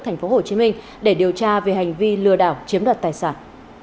thành phố hồ chí minh để điều tra về hành vi lừa đảo chiếm đoạt tài sản